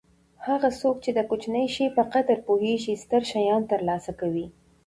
هغه څوک چې د کوچني شي په قدر پوهېږي ستر شیان ترلاسه کوي.